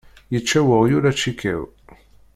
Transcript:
Yečča weɣyul acikaw.